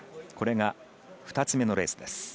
これが２つ目のレースです。